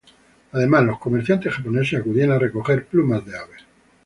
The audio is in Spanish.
Además, los comerciantes japoneses acudían a recoger plumas de aves.